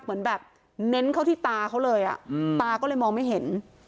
เหมือนแบบเน้นเข้าที่ตาเขาเลยอ่ะตาก็เลยมองไม่เห็น